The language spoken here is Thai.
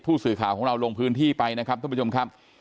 ผู้สื่อข่าวของเราลงพื้นที่ไปนะครับท่านผู้ชมครับ